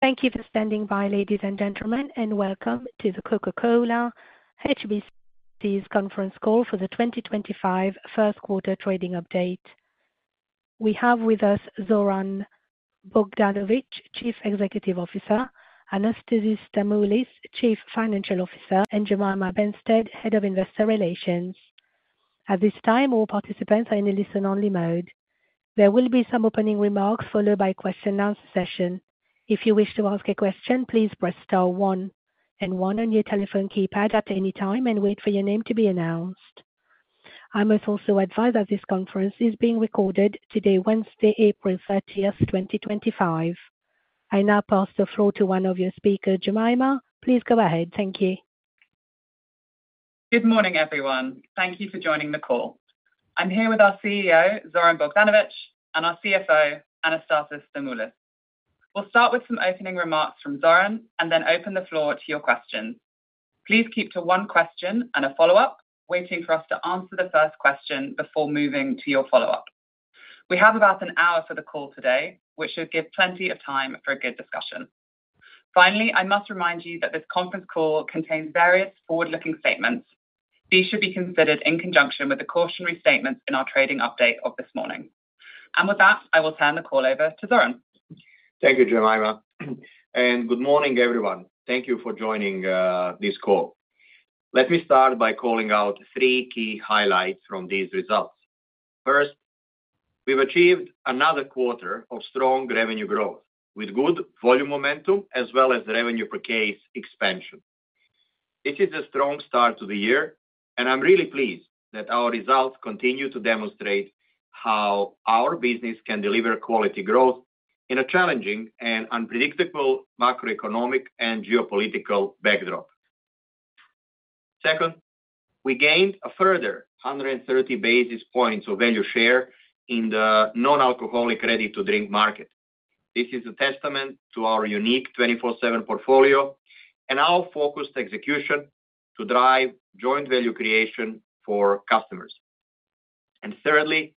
Thank you for standing by, ladies and gentlemen, and welcome to the Coca-Cola HBC Zoran Bogdanovic Conference Call for the 2025 first quarter trading update. We have with us Zoran Bogdanovic, Chief Executive Officer; Anastasis Stamoulis, Chief Financial Officer; and Jemima Benstead, Head of Investor Relations. At this time, all participants are in a listen-only mode. There will be some opening remarks followed by a question-and-answer session. If you wish to ask a question, please press star one and one on your telephone keypad at any time and wait for your name to be announced. I must also advise that this conference is being recorded today, Wednesday, April 30th, 2025. I now pass the floor to one of your speakers, Jemima. Please go ahead. Thank you. Good morning, everyone. Thank you for joining the call. I'm here with our CEO, Zoran Bogdanovic, and our CFO, Anastasis Stamoulis. We'll start with some opening remarks from Zoran and then open the floor to your questions. Please keep to one question and a follow-up, waiting for us to answer the first question before moving to your follow-up. We have about an hour for the call today, which should give plenty of time for a good discussion. Finally, I must remind you that this conference call contains various forward-looking statements. These should be considered in conjunction with the cautionary statements in our trading update of this morning. With that, I will turn the call over to Zoran. Thank you, Jemima. Good morning, everyone. Thank you for joining this call. Let me start by calling out three key highlights from these results. First, we've achieved another quarter of strong revenue growth with good volume momentum as well as revenue per case expansion. This is a strong start to the year, and I'm really pleased that our results continue to demonstrate how our business can deliver quality growth in a challenging and unpredictable macroeconomic and geopolitical backdrop. Second, we gained a further 130 basis points of value share in the non-alcoholic ready-to-drink market. This is a testament to our unique 24/7 portfolio and our focused execution to drive joint value creation for customers. Thirdly,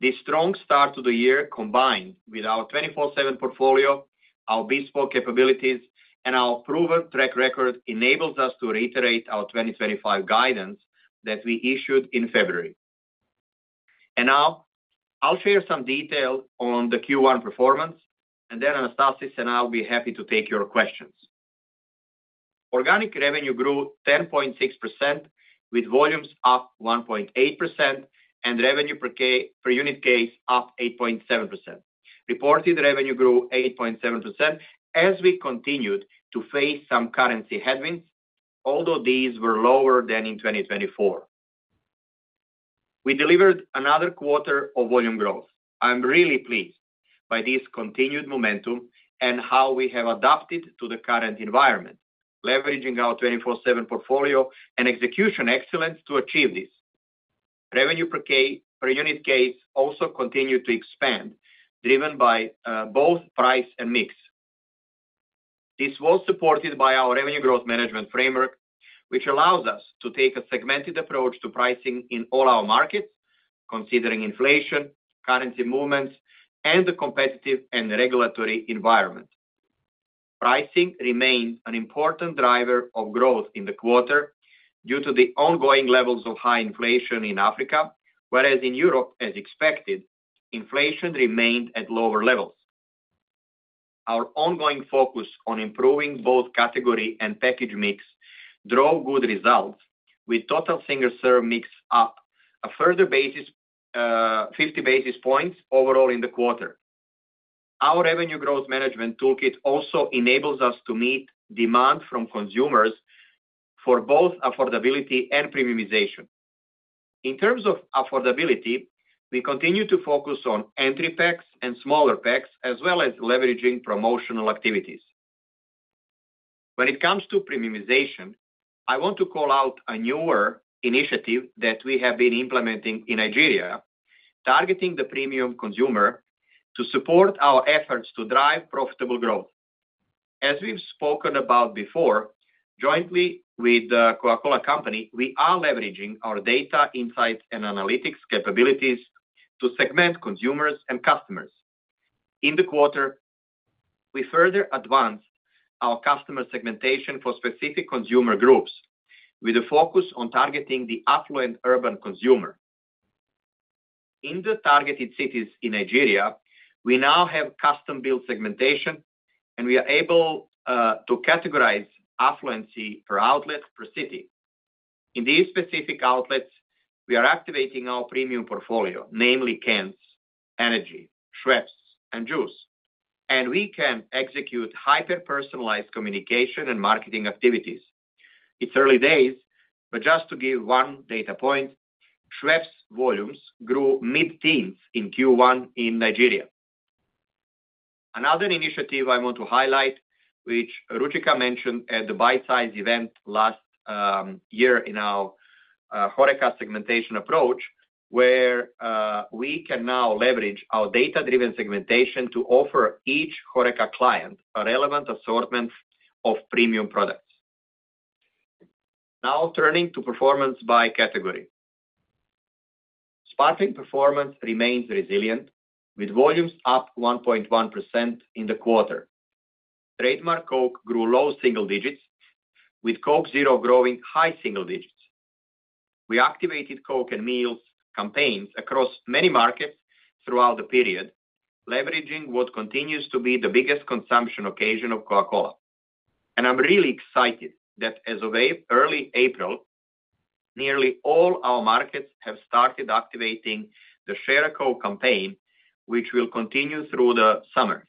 this strong start to the year, combined with our 24/7 portfolio, our bespoke capabilities, and our proven track record, enables us to reiterate our 2025 guidance that we issued in February. I will share some detail on the Q1 performance, and then Anastasis and I will be happy to take your questions. Organic revenue grew 10.6%, with volumes up 1.8% and revenue per unit case up 8.7%. Reported revenue grew 8.7% as we continued to face some currency headwinds, although these were lower than in 2024. We delivered another quarter of volume growth. I am really pleased by this continued momentum and how we have adapted to the current environment, leveraging our 24/7 portfolio and execution excellence to achieve this. Revenue per unit case also continued to expand, driven by both price and mix. This was supported by our revenue growth management framework, which allows us to take a segmented approach to pricing in all our markets, considering inflation, currency movements, and the competitive and regulatory environment. Pricing remained an important driver of growth in the quarter due to the ongoing levels of high inflation in Africa, whereas in Europe, as expected, inflation remained at lower levels. Our ongoing focus on improving both category and package mix drove good results, with total single-serve mix up a further 50 basis points overall in the quarter. Our revenue growth management toolkit also enables us to meet demand from consumers for both affordability and premiumization. In terms of affordability, we continue to focus on entry packs and smaller packs, as well as leveraging promotional activities. When it comes to premiumization, I want to call out a newer initiative that we have been implementing in Nigeria, targeting the premium consumer, to support our efforts to drive profitable growth. As we've spoken about before, jointly with the Coca-Cola Company, we are leveraging our data insights and analytics capabilities to segment consumers and customers. In the quarter, we further advanced our customer segmentation for specific consumer groups, with a focus on targeting the affluent urban consumer. In the targeted cities in Nigeria, we now have custom-built segmentation, and we are able to categorize affluency per outlet per city. In these specific outlets, we are activating our premium portfolio, namely cans, energy, Schweppes, and juice, and we can execute hyper-personalized communication and marketing activities. It's early days, but just to give one data point, Schweppes volumes grew mid-teens in Q1 in Nigeria. Another initiative I want to highlight, which Ruchika mentioned at the Bite-Size event last year in our Horeca segmentation approach, where we can now leverage our data-driven segmentation to offer each Horeca client a relevant assortment of premium products. Now turning to performance by category. Sparkling performance remains resilient, with volumes up 1.1% in the quarter. Trademark Coke grew low single digits, with Coke Zero growing high single digits. We activated Coke and Meals campaigns across many markets throughout the period, leveraging what continues to be the biggest consumption occasion of Coca-Cola. I am really excited that as of early April, nearly all our markets have started activating the Share a Coke campaign, which will continue through the summer.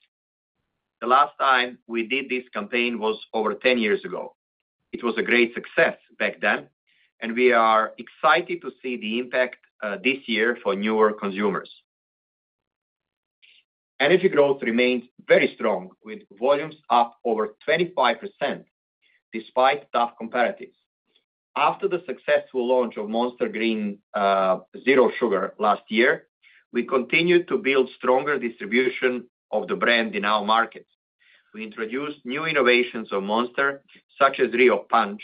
The last time we did this campaign was over 10 years ago. It was a great success back then, and we are excited to see the impact this year for newer consumers. Energy growth remains very strong, with volumes up over 25% despite tough competitors. After the successful launch of Monster Green Zero Sugar last year, we continued to build stronger distribution of the brand in our markets. We introduced new innovations of Monster, such as Rio Punch,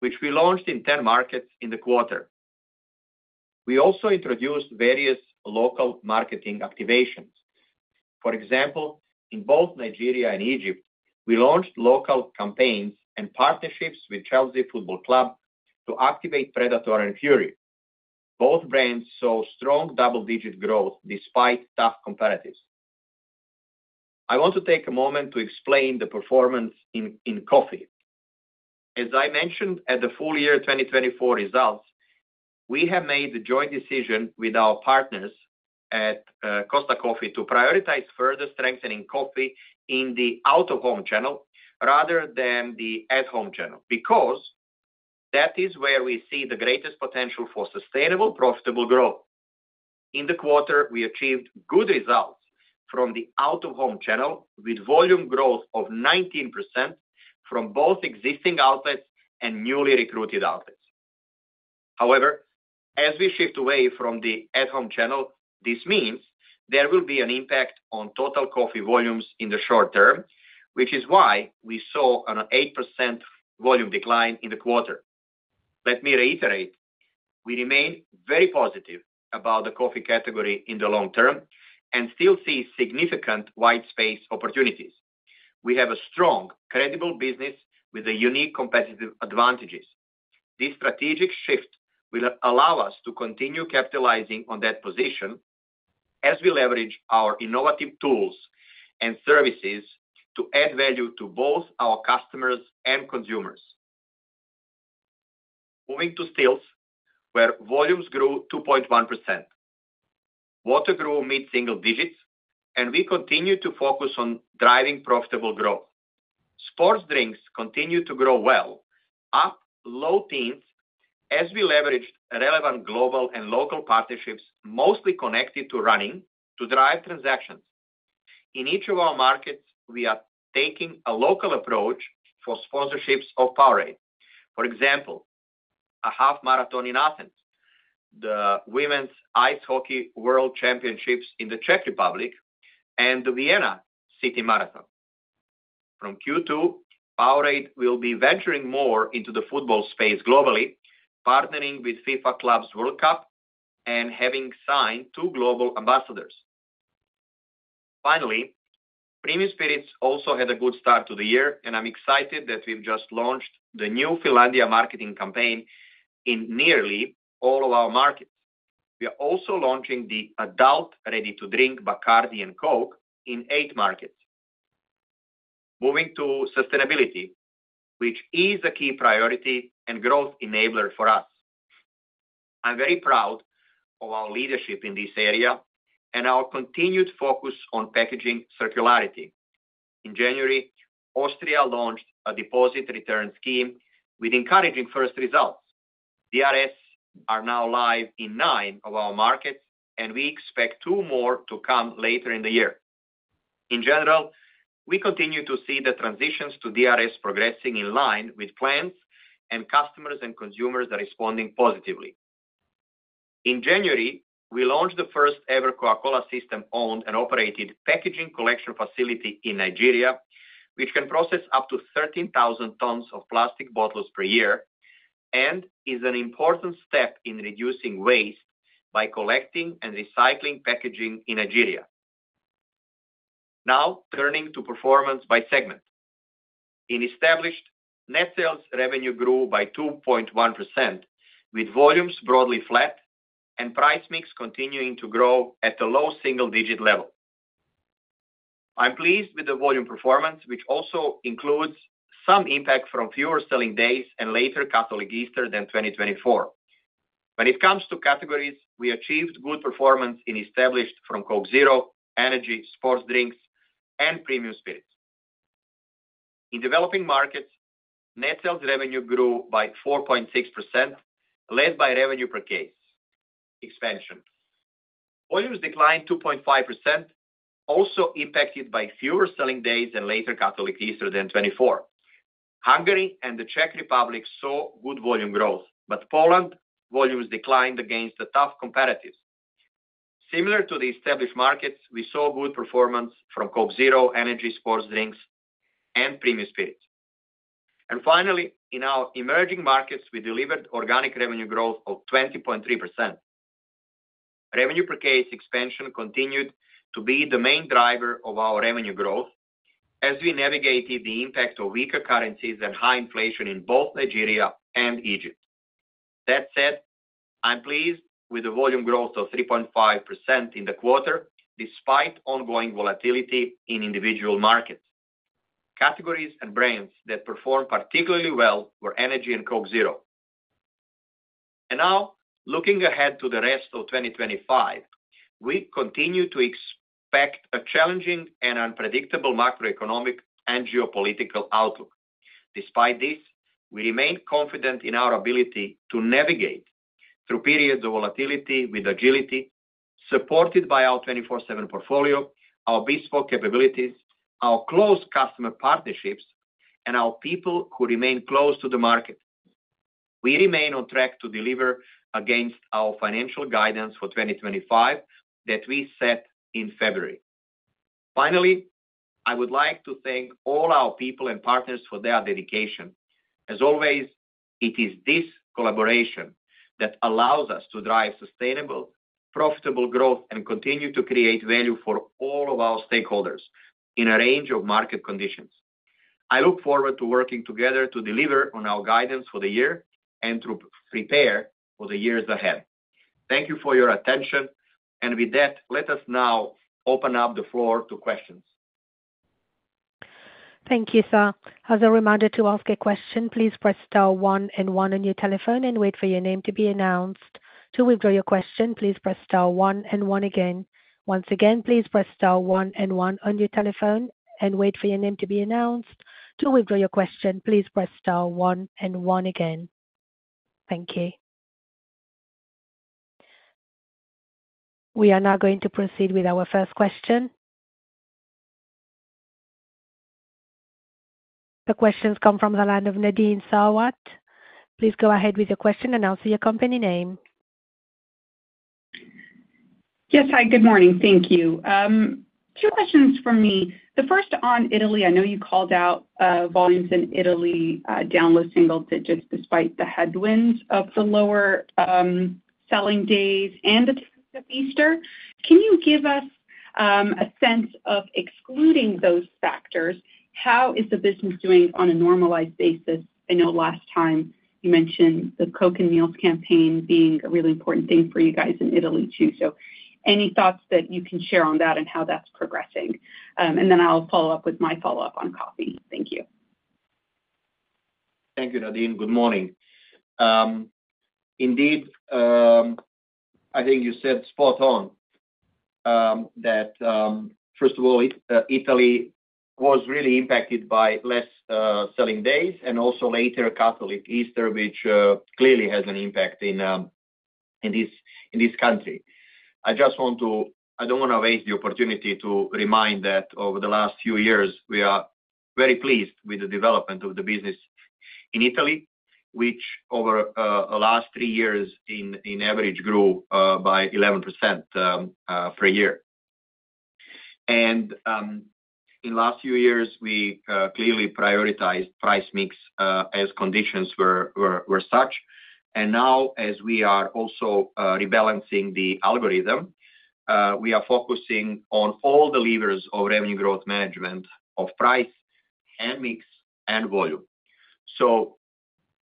which we launched in 10 markets in the quarter. We also introduced various local marketing activations. For example, in both Nigeria and Egypt, we launched local campaigns and partnerships with Chelsea Football Club to activate Predator and Fury. Both brands saw strong double-digit growth despite tough competitors. I want to take a moment to explain the performance in coffee. As I mentioned at the full year 2024 results, we have made the joint decision with our partners at Costa Coffee to prioritize further strengthening coffee in the out-of-home channel rather than the at-home channel because that is where we see the greatest potential for sustainable, profitable growth. In the quarter, we achieved good results from the out-of-home channel with volume growth of 19% from both existing outlets and newly recruited outlets. However, as we shift away from the at-home channel, this means there will be an impact on total coffee volumes in the short term, which is why we saw an 8% volume decline in the quarter. Let me reiterate, we remain very positive about the coffee category in the long term and still see significant white space opportunities. We have a strong, credible business with unique competitive advantages. This strategic shift will allow us to continue capitalizing on that position as we leverage our innovative tools and services to add value to both our customers and consumers. Moving to stills, where volumes grew 2.1%. Water grew mid-single digits, and we continue to focus on driving profitable growth. Sports drinks continue to grow well, up low teens, as we leveraged relevant global and local partnerships mostly connected to running to drive transactions. In each of our markets, we are taking a local approach for sponsorships of Powerade. For example, a half marathon in Athens, the Women's Ice Hockey World Championships in the Czech Republic, and the Vienna City Marathon. From Q2, Powerade will be venturing more into the football space globally, partnering with FIFA Club World Cup and having signed two global ambassadors. Finally, Premium Spirits also had a good start to the year, and I'm excited that we've just launched the new Finlandia marketing campaign in nearly all of our markets. We are also launching the adult ready-to-drink Bacardi and Coke in eight markets. Moving to sustainability, which is a key priority and growth enabler for us. I'm very proud of our leadership in this area and our continued focus on packaging circularity. In January, Austria launched a deposit return scheme with encouraging first results. DRS are now live in nine of our markets, and we expect two more to come later in the year. In general, we continue to see the transitions to DRS progressing in line with plans and customers and consumers responding positively. In January, we launched the first-ever Coca-Cola system-owned and operated packaging collection facility in Nigeria, which can process up to 13,000 tons of plastic bottles per year and is an important step in reducing waste by collecting and recycling packaging in Nigeria. Now turning to performance by segment. In established, net sales revenue grew by 2.1%, with volumes broadly flat and price mix continuing to grow at a low single-digit level. I'm pleased with the volume performance, which also includes some impact from fewer selling days and later Catholic Easter than 2024. When it comes to categories, we achieved good performance in established from Coke Zero, energy, sports drinks, and Premium Spirits. In developing markets, net sales revenue grew by 4.6%, led by revenue per case expansion. Volumes declined 2.5%, also impacted by fewer selling days and later Catholic Easter than 2024. Hungary and the Czech Republic saw good volume growth, but Poland volumes declined against the tough competitors. Similar to the established markets, we saw good performance from Coke Zero, energy, sports drinks, and Premium Spirits. Finally, in our emerging markets, we delivered organic revenue growth of 20.3%. Revenue per case expansion continued to be the main driver of our revenue growth as we navigated the impact of weaker currencies and high inflation in both Nigeria and Egypt. That said, I'm pleased with the volume growth of 3.5% in the quarter despite ongoing volatility in individual markets. Categories and brands that performed particularly well were energy and Coke Zero. Looking ahead to the rest of 2025, we continue to expect a challenging and unpredictable macroeconomic and geopolitical outlook. Despite this, we remain confident in our ability to navigate through periods of volatility with agility, supported by our 24/7 portfolio, our bespoke capabilities, our close customer partnerships, and our people who remain close to the market. We remain on track to deliver against our financial guidance for 2025 that we set in February. Finally, I would like to thank all our people and partners for their dedication. As always, it is this collaboration that allows us to drive sustainable, profitable growth and continue to create value for all of our stakeholders in a range of market conditions. I look forward to working together to deliver on our guidance for the year and to prepare for the years ahead. Thank you for your attention, and with that, let us now open up the floor to questions. Thank you, sir. As a reminder to ask a question, please press star one and one on your telephone and wait for your name to be announced. To withdraw your question, please press star one and one again. Once again, please press star one and one on your telephone and wait for your name to be announced. To withdraw your question, please press star one and one again. Thank you. We are now going to proceed with our first question. The questions come from the line of Nadine Sarwat. Please go ahead with your question and I'll see your company name. Yes, hi, good morning. Thank you. Two questions for me. The first on Italy, I know you called out volumes in Italy down low single digits despite the headwinds of the lower selling days and the Easter. Can you give us a sense of excluding those factors? How is the business doing on a normalized basis? I know last time you mentioned the Coke and Meals campaign being a really important thing for you guys in Italy too. Any thoughts that you can share on that and how that's progressing? I'll follow up with my follow-up on coffee. Thank you. Thank you, Nadine. Good morning. Indeed, I think you said spot on that, first of all, Italy was really impacted by less selling days and also later Catholic Easter, which clearly has an impact in this country. I just want to—I don't want to waste the opportunity to remind that over the last few years, we are very pleased with the development of the business in Italy, which over the last three years in average grew by 11% per year. In the last few years, we clearly prioritized price mix as conditions were such. Now, as we are also rebalancing the algorithm, we are focusing on all the levers of revenue growth management of price and mix and volume.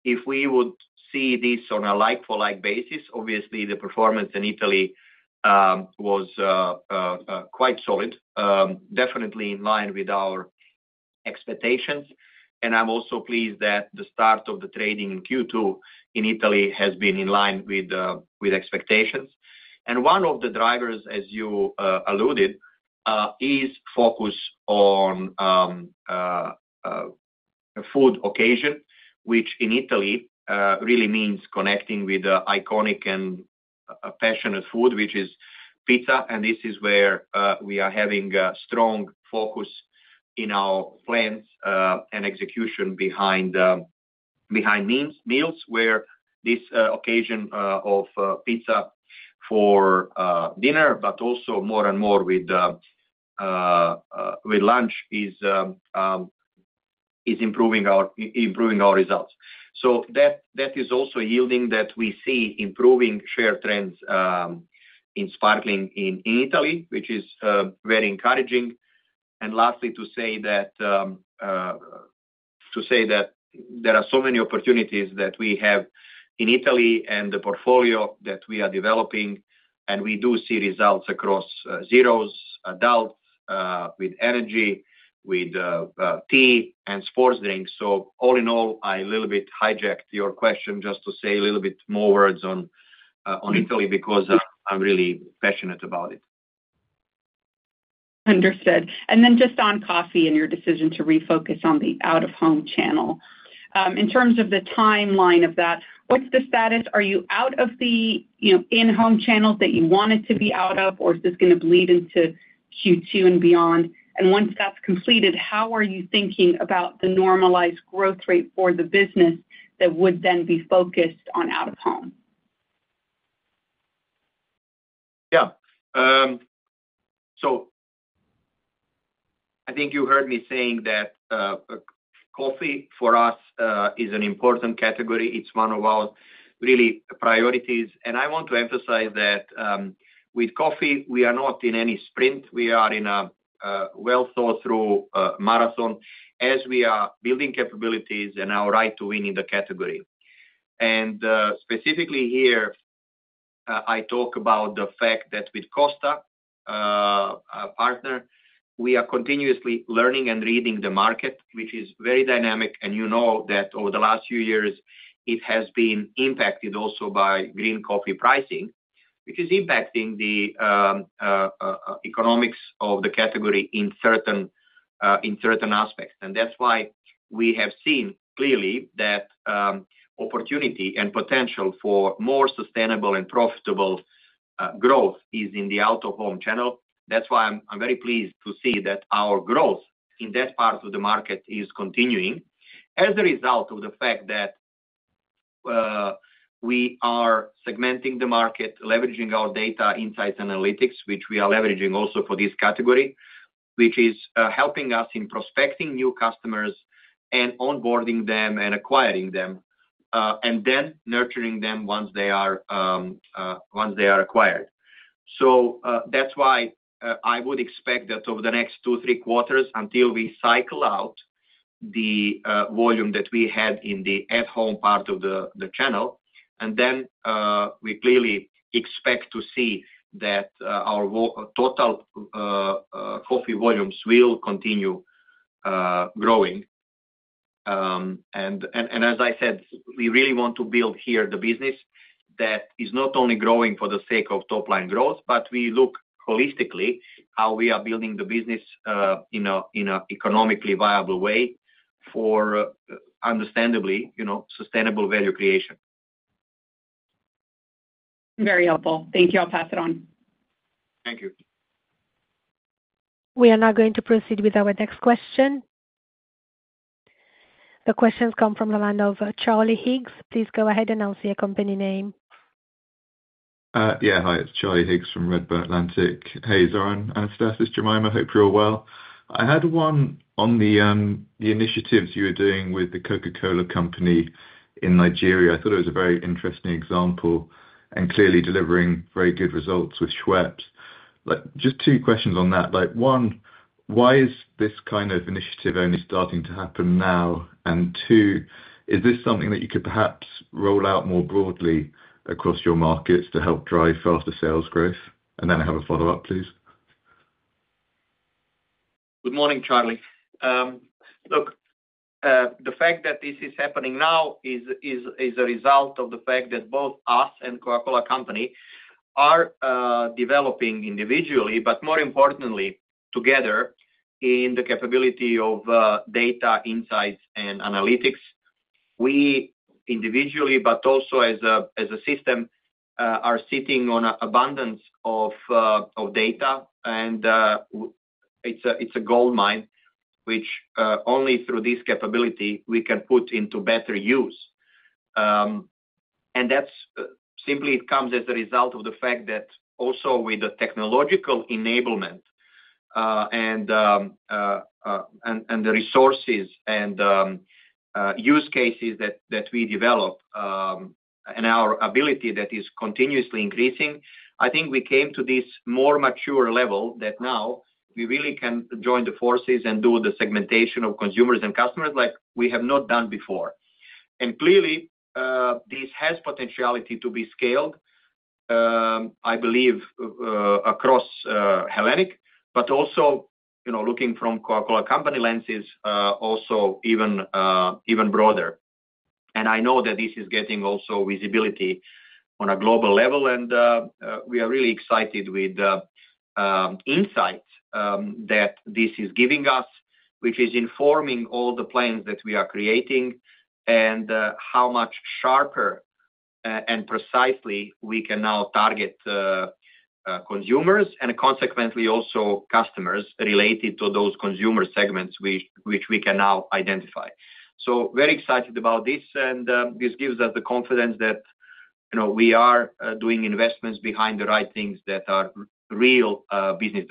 If we would see this on a like-for-like basis, obviously the performance in Italy was quite solid, definitely in line with our expectations. I'm also pleased that the start of the trading in Q2 in Italy has been in line with expectations. One of the drivers, as you alluded, is focus on food occasion, which in Italy really means connecting with iconic and passionate food, which is pizza. This is where we are having a strong focus in our plans and execution behind meals, where this occasion of pizza for dinner, but also more and more with lunch, is improving our results. That is also a yielding that we see improving share trends in sparkling in Italy, which is very encouraging. Lastly, to say that there are so many opportunities that we have in Italy and the portfolio that we are developing, and we do see results across zeros, adults, with energy, with tea, and sports drinks. All in all, I a little bit hijacked your question just to say a little bit more words on Italy because I'm really passionate about it. Understood. Just on coffee and your decision to refocus on the out-of-home channel. In terms of the timeline of that, what's the status? Are you out of the in-home channels that you wanted to be out of, or is this going to bleed into Q2 and beyond? Once that's completed, how are you thinking about the normalized growth rate for the business that would then be focused on out-of-home? Yeah. I think you heard me saying that coffee for us is an important category. It's one of our real priorities. I want to emphasize that with coffee, we are not in any sprint. We are in a well-thought-through marathon as we are building capabilities and our right to win in the category. Specifically here, I talk about the fact that with Costa, our partner, we are continuously learning and reading the market, which is very dynamic. You know that over the last few years, it has been impacted also by green coffee pricing, which is impacting the economics of the category in certain aspects. That is why we have seen clearly that opportunity and potential for more sustainable and profitable growth is in the out-of-home channel. That is why I am very pleased to see that our growth in that part of the market is continuing as a result of the fact that we are segmenting the market, leveraging our data insights analytics, which we are leveraging also for this category, which is helping us in prospecting new customers and onboarding them and acquiring them, and then nurturing them once they are acquired. That is why I would expect that over the next two, three quarters, until we cycle out the volume that we had in the at-home part of the channel, we clearly expect to see that our total coffee volumes will continue growing. As I said, we really want to build here the business that is not only growing for the sake of top-line growth, but we look holistically at how we are building the business in an economically viable way for, understandably, sustainable value creation. Very helpful. Thank you. I'll pass it on. Thank you. We are now going to proceed with our next question. The questions come from the line of Charlie Higgs. Please go ahead and I will see a company name. Yeah, hi. It's Charlie Higgs from Redburn Atlantic. Hey, Zoran, Anastasis, Jemima. Hope you're well. I had one on the initiatives you were doing with the Coca-Cola Company in Nigeria. I thought it was a very interesting example and clearly delivering very good results with Schweppes. Just two questions on that. One, why is this kind of initiative only starting to happen now? Two, is this something that you could perhaps roll out more broadly across your markets to help drive faster sales growth? I have a follow-up, please. Good morning, Charlie. Look, the fact that this is happening now is a result of the fact that both us and Coca-Cola Company are developing individually, but more importantly, together in the capability of data insights and analytics. We individually, but also as a system, are sitting on an abundance of data, and it's a goldmine, which only through this capability we can put into better use. That simply comes as a result of the fact that also with the technological enablement and the resources and use cases that we develop and our ability that is continuously increasing, I think we came to this more mature level that now we really can join the forces and do the segmentation of consumers and customers like we have not done before. Clearly, this has potentiality to be scaled, I believe, across Hellenic, but also looking from Coca-Cola Company lenses, also even broader. I know that this is getting also visibility on a global level, and we are really excited with the insights that this is giving us, which is informing all the plans that we are creating and how much sharper and precisely we can now target consumers and consequently also customers related to those consumer segments which we can now identify. Very excited about this, and this gives us the confidence that we are doing investments behind the right things that are real business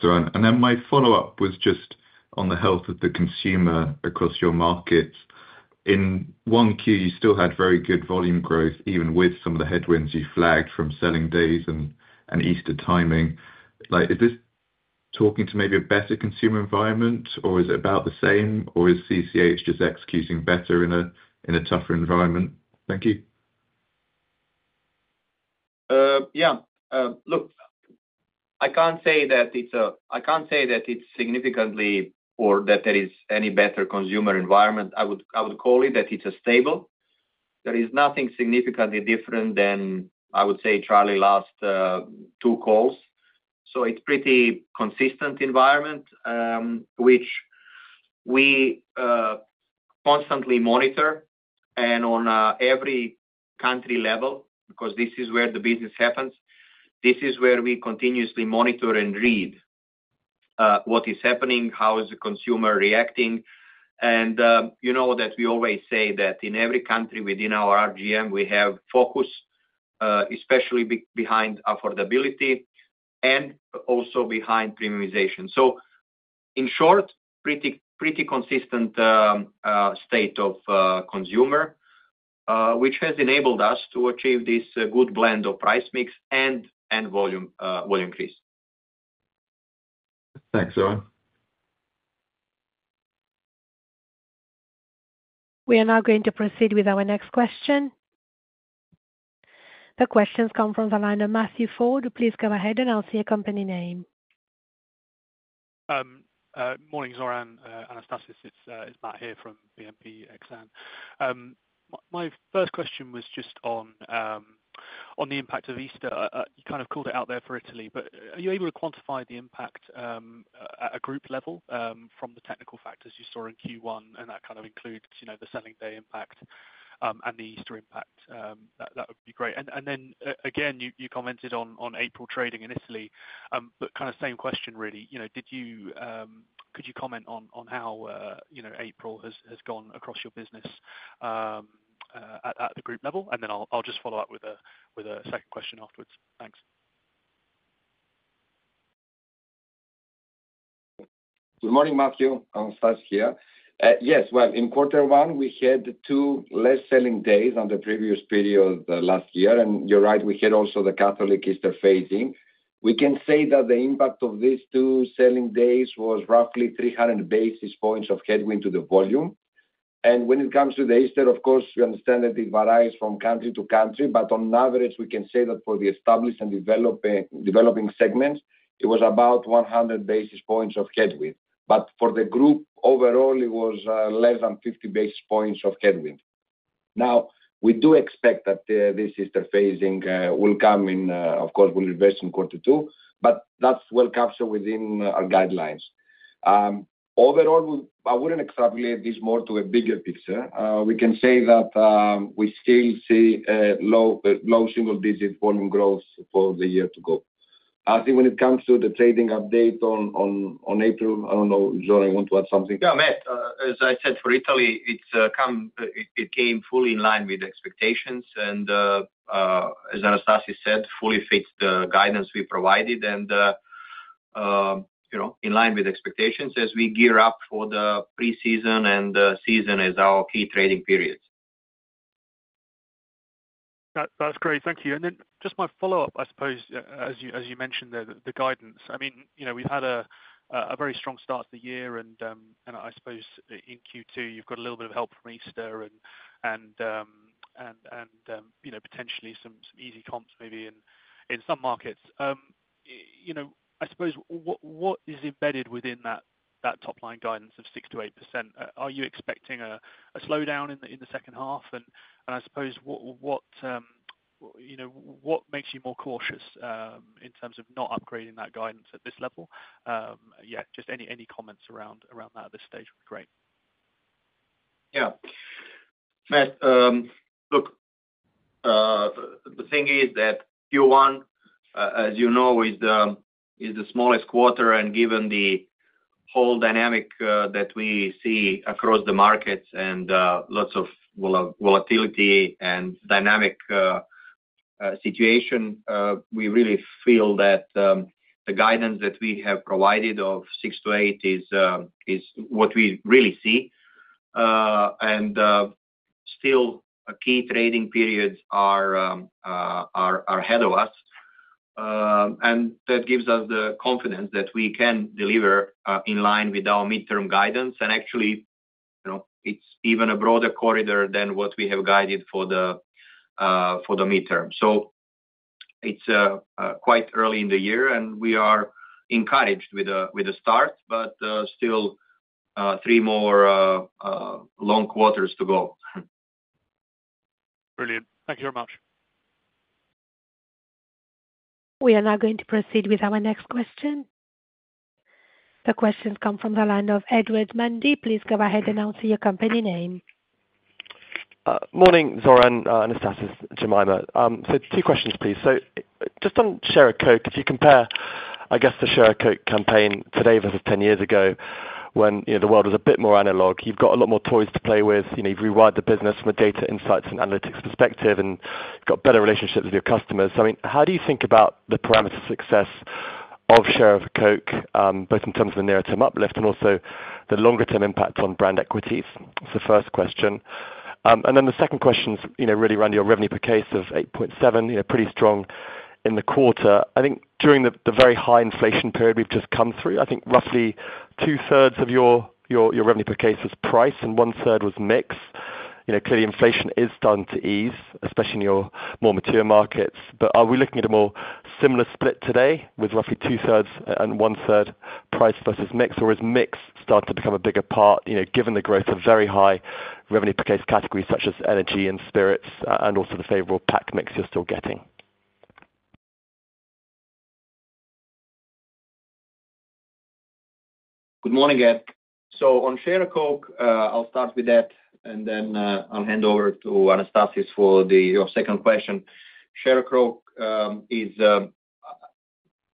drivers. Excellent. My follow-up was just on the health of the consumer across your markets. In one key, you still had very good volume growth even with some of the headwinds you flagged from selling days and Easter timing. Is this talking to maybe a better consumer environment, or is it about the same, or is CCH just executing better in a tougher environment? Thank you. Yeah. Look, I can't say that it's a—I can't say that it's significantly or that there is any better consumer environment. I would call it that it's stable. There is nothing significantly different than, I would say, Charlie last two calls. It is a pretty consistent environment, which we constantly monitor. On every country level, because this is where the business happens, this is where we continuously monitor and read what is happening, how is the consumer reacting. You know that we always say that in every country within our RGM, we have focus, especially behind affordability and also behind premiumization. In short, pretty consistent state of consumer, which has enabled us to achieve this good blend of price mix and volume increase. Thanks, Zoran. We are now going to proceed with our next question. The questions come from the line of Matthew Ford. Please go ahead and I'll see a company name. Morning, Zoran. Anastasis, it is Matt here from BNP Paribas Exane. My first question was just on the impact of Easter. You kind of called it out there for Italy, but are you able to quantify the impact at a group level from the technical factors you saw in Q1? That kind of includes the selling day impact and the Easter impact. That would be great. You commented on April trading in Italy, but kind of same question really. Could you comment on how April has gone across your business at the group level? I'll just follow up with a second question afterwards. Thanks. Good morning, Matthew. Anastasis here. Yes. In quarter one, we had two less selling days on the previous period last year. You're right, we had also the Catholic Easter phasing. We can say that the impact of these two selling days was roughly 300 basis points of headwind to the volume. When it comes to the Easter, of course, we understand that it varies from country to country, but on average, we can say that for the established and developing segments, it was about 100 basis points of headwind. For the group overall, it was less than 50 basis points of headwind. We do expect that this Easter phasing will come in, of course, will reverse in quarter two, but that's well captured within our guidelines. Overall, I would not extrapolate this more to a bigger picture. We can say that we still see low single-digit volume growth for the year to go. I think when it comes to the trading update on April, I do not know, Zoran, you want to add something? Yeah, Matt. As I said, for Italy, it came fully in line with expectations. As Anastasis said, fully fits the guidance we provided and in line with expectations as we gear up for the pre-season and season as our key trading periods. That's great. Thank you. Just my follow-up, I suppose, as you mentioned the guidance. I mean, we've had a very strong start to the year, and I suppose in Q2, you've got a little bit of help from Easter and potentially some easy comps maybe in some markets. I suppose, what is embedded within that top-line guidance of 6-8%? Are you expecting a slowdown in the second half? I suppose, what makes you more cautious in terms of not upgrading that guidance at this level? Yeah, just any comments around that at this stage would be great. Yeah. Look, the thing is that Q1, as you know, is the smallest quarter. Given the whole dynamic that we see across the markets and lots of volatility and dynamic situation, we really feel that the guidance that we have provided of 6-8 is what we really see. Still, key trading periods are ahead of us. That gives us the confidence that we can deliver in line with our midterm guidance. Actually, it's even a broader corridor than what we have guided for the midterm. It is quite early in the year, and we are encouraged with the start, but still three more long quarters to go. Brilliant. Thank you very much. We are now going to proceed with our next question. The questions come from the line of Edward Mundy. Please go ahead and I'll see your company name. Morning, Zoran, Anastasis, Jemima. Two questions, please. Just on Share a Coke, if you compare, I guess, the Share a Coke campaign today versus 10 years ago when the world was a bit more analog, you've got a lot more toys to play with. You've rewired the business from a data insights and analytics perspective and got better relationships with your customers. I mean, how do you think about the parameter success of Share a Coke, both in terms of the nearer-term uplift and also the longer-term impact on brand equities? It's the first question. The second question is really around your revenue per case of 8.7%, pretty strong in the quarter. I think during the very high inflation period we've just come through, I think roughly two-thirds of your revenue per case was price and one-third was mix. Clearly, inflation is starting to ease, especially in your more mature markets. Are we looking at a more similar split today with roughly two-thirds and one-third price versus mix, or is mix starting to become a bigger part given the growth of very high revenue per case categories such as energy and spirits and also the favorable pack mix you're still getting? Good morning, Ed. On Share a Coke, I'll start with that, and then I'll hand over to Anastasis for your second question. Share a Coke is, as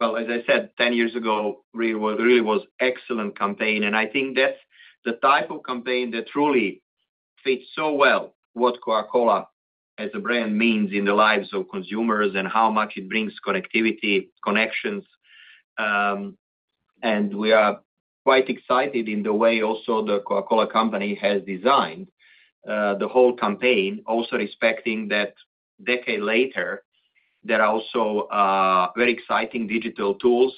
I said, 10 years ago, really was an excellent campaign. I think that's the type of campaign that truly fits so well what Coca-Cola as a brand means in the lives of consumers and how much it brings connectivity, connections. We are quite excited in the way also the Coca-Cola Company has designed the whole campaign, also respecting that a decade later, there are also very exciting digital tools.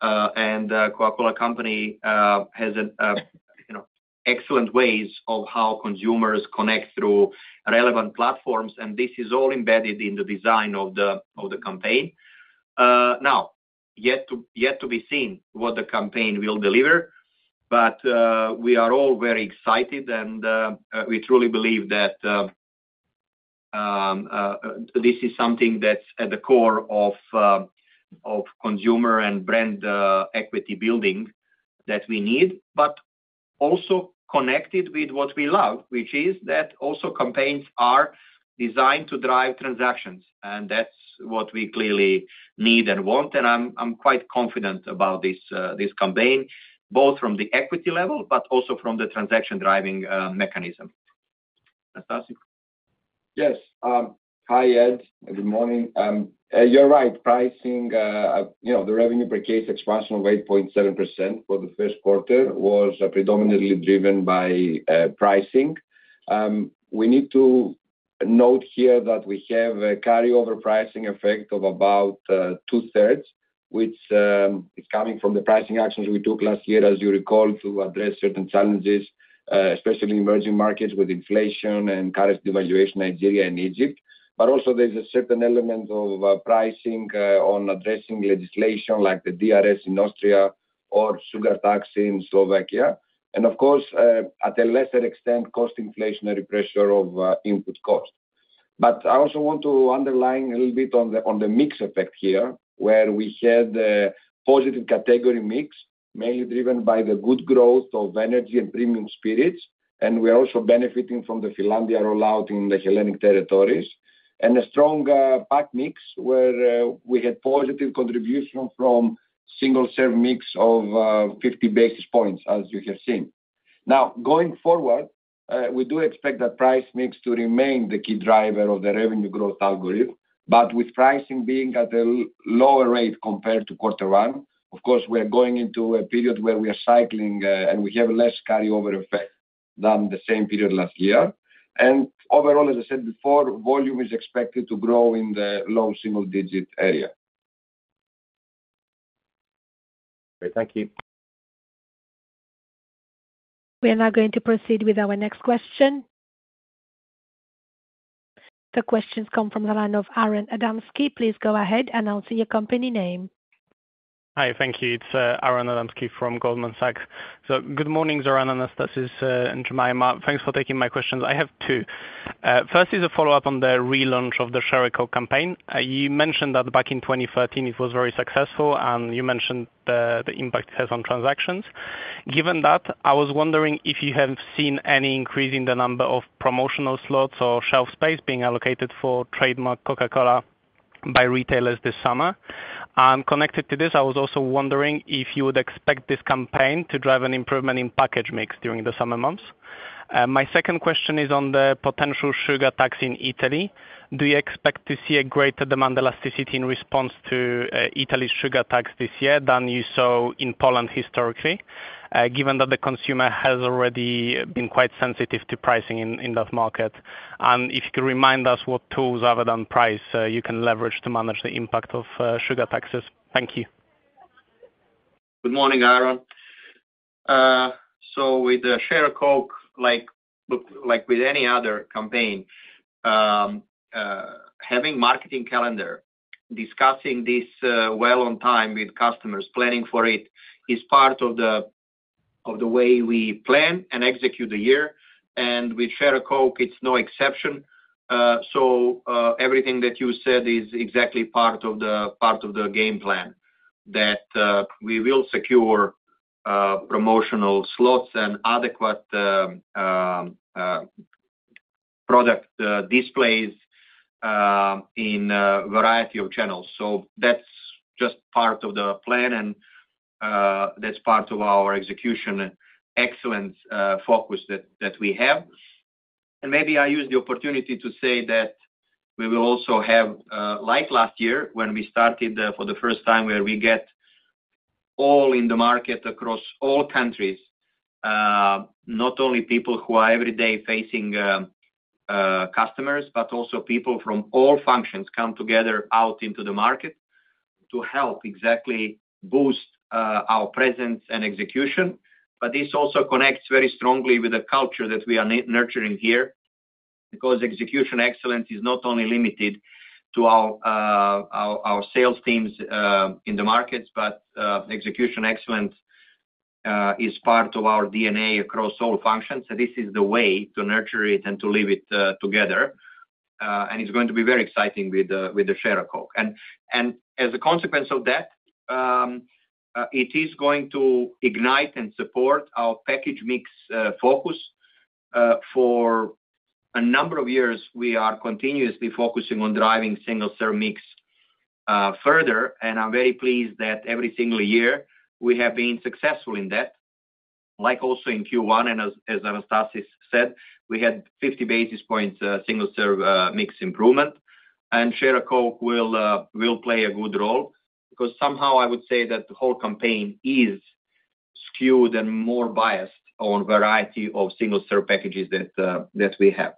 The Coca-Cola Company has excellent ways of how consumers connect through relevant platforms. This is all embedded in the design of the campaign. Yet to be seen what the campaign will deliver, but we are all very excited, and we truly believe that this is something that's at the core of consumer and brand equity building that we need, but also connected with what we love, which is that also campaigns are designed to drive transactions. That is what we clearly need and want. I am quite confident about this campaign, both from the equity level, but also from the transaction driving mechanism. Anastasis. Yes. Hi, Ed. Good morning. You're right. Pricing, the revenue per case expansion of 8.7% for the first quarter was predominantly driven by pricing. We need to note here that we have a carryover pricing effect of about two-thirds, which is coming from the pricing actions we took last year, as you recall, to address certain challenges, especially emerging markets with inflation and currency devaluation, Nigeria and Egypt. There is also a certain element of pricing on addressing legislation like the DRS in Austria or sugar tax in Slovakia. Of course, at a lesser extent, cost inflationary pressure of input cost. I also want to underline a little bit on the mix effect here, where we had a positive category mix, mainly driven by the good growth of energy and premium spirits. We are also benefiting from the Finlandia rollout in the Hellenic territories. A stronger pack mix where we had positive contribution from single-serve mix of 50 basis points, as you have seen. Now, going forward, we do expect that price mix to remain the key driver of the revenue growth algorithm, but with pricing being at a lower rate compared to quarter one. Of course, we are going into a period where we are cycling and we have less carryover effect than the same period last year. Overall, as I said before, volume is expected to grow in the low single-digit area. Great. Thank you. We are now going to proceed with our next question. The questions come from the line of Aron Adamski. Please go ahead and I'll see your company name. Hi. Thank you. It's Aron Adamski from Goldman Sachs. Good morning, Zoran, Anastasis, and Jemima. Thanks for taking my questions. I have two. First is a follow-up on the relaunch of the Share a Coke campaign. You mentioned that back in 2013, it was very successful, and you mentioned the impact it has on transactions. Given that, I was wondering if you have seen any increase in the number of promotional slots or shelf space being allocated for Trademark Coke by retailers this summer. Connected to this, I was also wondering if you would expect this campaign to drive an improvement in package mix during the summer months. My second question is on the potential sugar tax in Italy. Do you expect to see a greater demand elasticity in response to Italy's sugar tax this year than you saw in Poland historically, given that the consumer has already been quite sensitive to pricing in that market? If you could remind us what tools, other than price, you can leverage to manage the impact of sugar taxes. Thank you. Good morning, Aron. With Share a Coke, like with any other campaign, having a marketing calendar, discussing this well on time with customers, planning for it is part of the way we plan and execute the year. With Share a Coke, it's no exception. Everything that you said is exactly part of the game plan that we will secure promotional slots and adequate product displays in a variety of channels. That's just part of the plan, and that's part of our execution excellence focus that we have. Maybe I use the opportunity to say that we will also have, like last year when we started for the first time, where we get all in the market across all countries, not only people who are every day facing customers, but also people from all functions come together out into the market to help exactly boost our presence and execution. This also connects very strongly with the culture that we are nurturing here because execution excellence is not only limited to our sales teams in the markets, but execution excellence is part of our DNA across all functions. This is the way to nurture it and to live it together. It is going to be very exciting with the Share a Coke. As a consequence of that, it is going to ignite and support our package mix focus. For a number of years, we are continuously focusing on driving single-serve mix further. I am very pleased that every single year we have been successful in that. Like also in Q1, and as Anastasis said, we had 50 basis points single-serve mix improvement. Share a Coke will play a good role because somehow I would say that the whole campaign is skewed and more biased on a variety of single-serve packages that we have.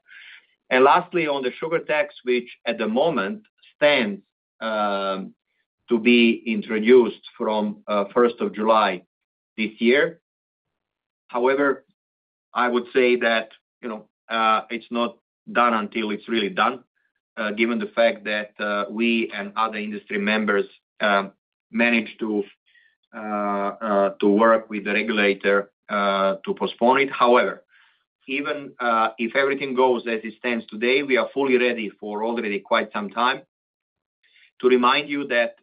Lastly, on the sugar tax, which at the moment stands to be introduced from 1st of July this year. However, I would say that it's not done until it's really done, given the fact that we and other industry members managed to work with the regulator to postpone it. However, even if everything goes as it stands today, we are fully ready for already quite some time. To remind you that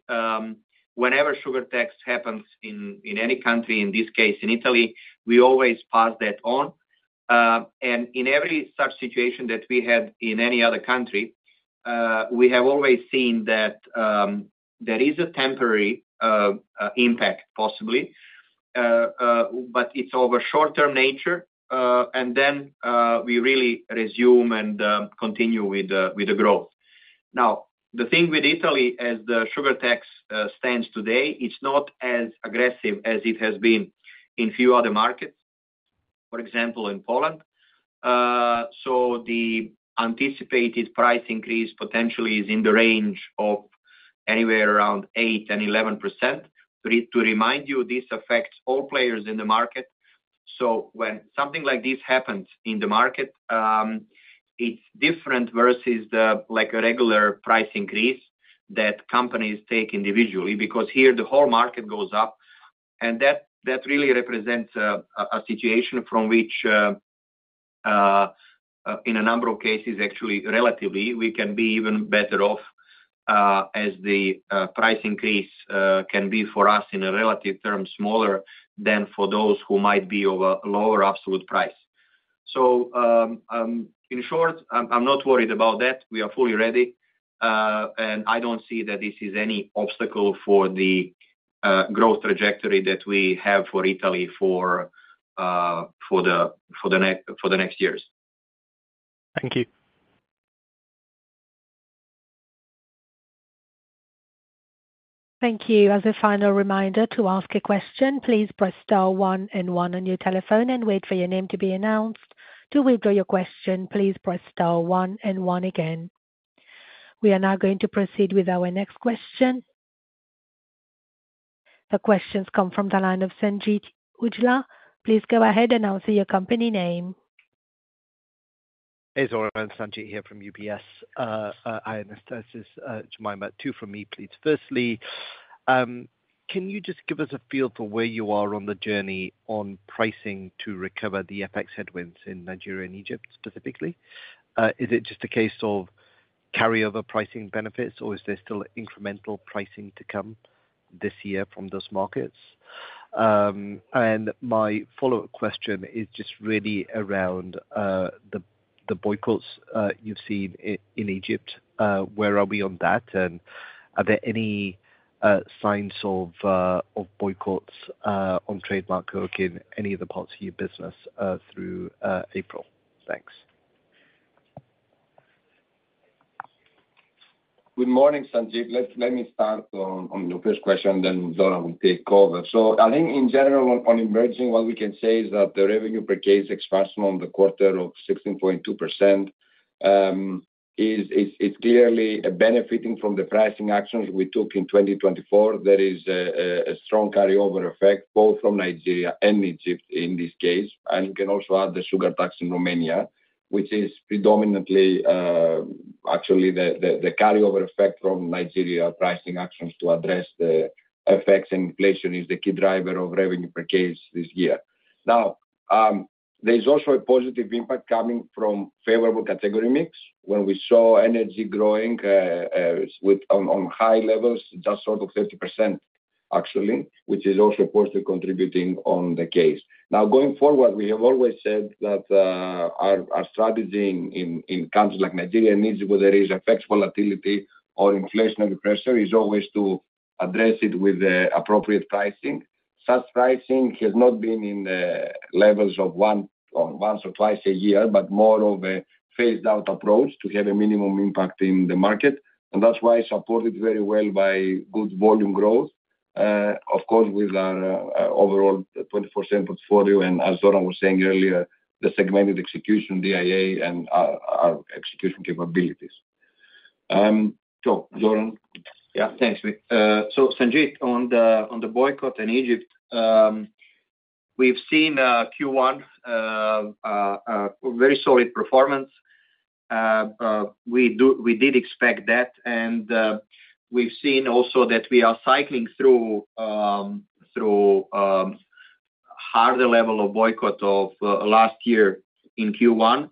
whenever sugar tax happens in any country, in this case in Italy, we always pass that on. In every such situation that we had in any other country, we have always seen that there is a temporary impact, possibly, but it's of a short-term nature. We really resume and continue with the growth. Now, the thing with Italy, as the sugar tax stands today, it's not as aggressive as it has been in a few other markets, for example, in Poland. The anticipated price increase potentially is in the range of anywhere around 8-11%. To remind you, this affects all players in the market. When something like this happens in the market, it's different versus a regular price increase that companies take individually because here the whole market goes up. That really represents a situation from which, in a number of cases, actually relatively, we can be even better off as the price increase can be for us in a relative term smaller than for those who might be of a lower absolute price. In short, I'm not worried about that. We are fully ready. I do not see that this is any obstacle for the growth trajectory that we have for Italy for the next years. Thank you. Thank you. As a final reminder to ask a question, please press star one and one on your telephone and wait for your name to be announced. To withdraw your question, please press star one and one again. We are now going to proceed with our next question. The questions come from the line of Sanjeet Aujla. Please go ahead and I will see your company name. Hey, Zoran. Sanjeet here from UBS. Hi, Anastasis. Jemima, two from me, please. Firstly, can you just give us a feel for where you are on the journey on pricing to recover the FX headwinds in Nigeria and Egypt specifically? Is it just a case of carryover pricing benefits, or is there still incremental pricing to come this year from those markets? My follow-up question is just really around the boycotts you've seen in Egypt. Where are we on that? Are there any signs of boycotts on Trademark Coke in any of the parts of your business through April? Thanks. Good morning, Sanjeet. Let me start on your first question, then Zoran will take over. I think in general, on emerging, what we can say is that the revenue per case expansion on the quarter of 16.2% is clearly benefiting from the pricing actions we took in 2024. There is a strong carryover effect both from Nigeria and Egypt in this case. You can also add the sugar tax in Romania, which is predominantly actually the carryover effect from Nigeria. Pricing actions to address the FX and inflation is the key driver of revenue per case this year. There is also a positive impact coming from favorable category mix when we saw energy growing on high levels, just sort of 30% actually, which is also positively contributing on the case. Going forward, we have always said that our strategy in countries like Nigeria and Egypt, whether it is FX volatility or inflationary pressure, is always to address it with appropriate pricing. Such pricing has not been in the levels of once or twice a year, but more of a phased-out approach to have a minimum impact in the market. That is why it is supported very well by good volume growth, of course, with our overall 24/7 portfolio. As Zoran was saying earlier, the segmented execution, DIA, and our execution capabilities. Zoran, yeah, thanks. Sanjeet, on the boycott in Egypt, we've seen Q1 very solid performance. We did expect that. We've seen also that we are cycling through harder level of boycott of last year in Q1.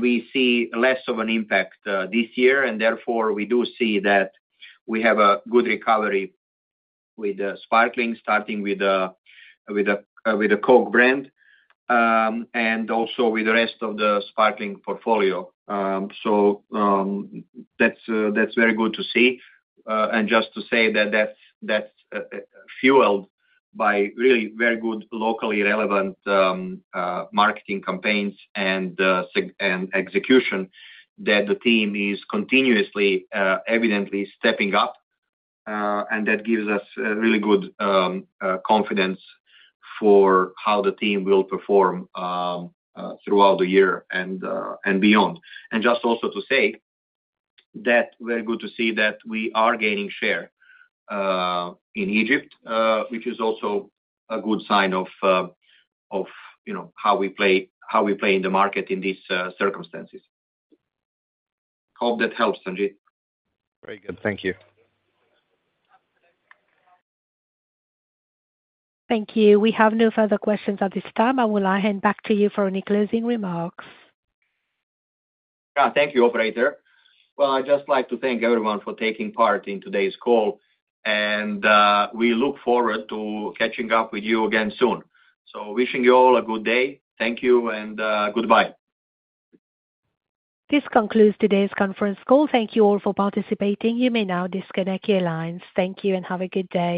We see less of an impact this year. Therefore, we do see that we have a good recovery with sparkling, starting with the Coke brand and also with the rest of the sparkling portfolio. That's very good to see. Just to say that that's fueled by really very good locally relevant marketing campaigns and execution that the team is continuously evidently stepping up. That gives us really good confidence for how the team will perform throughout the year and beyond. Just also to say that we're good to see that we are gaining share in Egypt, which is also a good sign of how we play in the market in these circumstances. Hope that helps, Sanjeet. Very good. Thank you. Thank you. We have no further questions at this time. I will now hand back to you for any closing remarks. Thank you, operator. I'd just like to thank everyone for taking part in today's call. We look forward to catching up with you again soon. Wishing you all a good day. Thank you and goodbye. This concludes today's conference call. Thank you all for participating. You may now disconnect your lines. Thank you and have a good day.